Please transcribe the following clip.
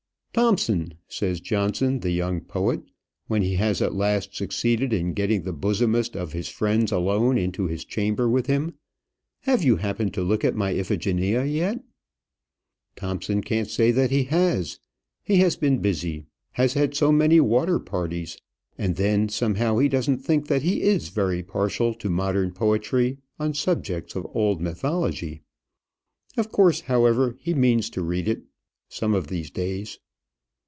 "Thompson," says Johnson, the young poet, when he has at last succeeded in getting the bosomest of his friends alone into his chamber with him, "have you happened to look at my Iphigenia yet?" Thompson can't say that he has. He has been busy; has had so many water parties; and then, somehow, he doesn't think that he is very partial to modern poetry on subjects of old mythology. Of course, however, he means to read it some of these days.